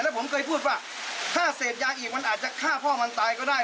ผมเคยพูดว่าถ้าเสพยาอีกมันอาจจะฆ่าพ่อมันตายก็ได้